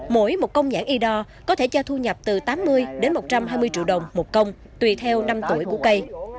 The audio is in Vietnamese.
mỗi một công nhãn y đo có thể cho thu nhập từ tám mươi đến một trăm hai mươi triệu đồng một công tùy theo năm tuổi của cây